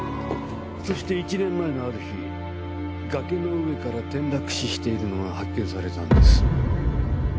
そして１年前のある日崖の上から転落死しているのが発見されたんです。